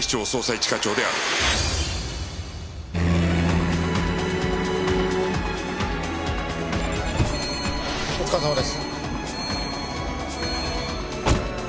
一課長お疲れさまです。